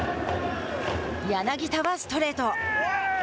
柳田はストレート。